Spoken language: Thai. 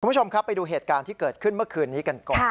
คุณผู้ชมครับไปดูเหตุการณ์ที่เกิดขึ้นเมื่อคืนนี้กันก่อน